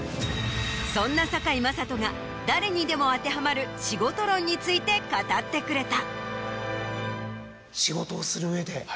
そんな堺雅人が誰にでも当てはまる仕事論について語ってくれた。